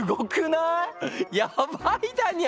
やばいだにゃ！